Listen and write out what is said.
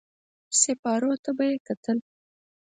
سېپارو ته به يې کتل.